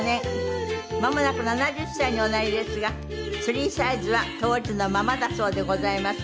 まもなく７０歳におなりですがスリーサイズは当時のままだそうでございます。